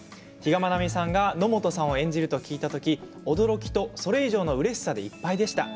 比嘉愛未さんが野本さんを演じると聞いた時、驚きと、それ以上のうれしさでいっぱいでした。